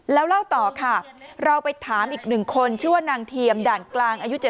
แล้วเล่าต่อค่ะเราไปถามอีก๑คนชื่อว่านางเทียมด่านกลางอายุ๗๒